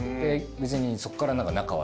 別にそっから。